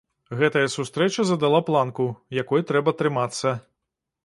Гэтая сустрэча задала планку, якой трэба трымацца.